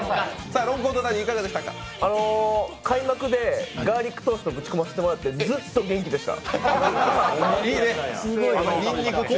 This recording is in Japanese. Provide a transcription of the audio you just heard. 開幕でガーリックトーストをぶち込ませてもらってずっと元気でした。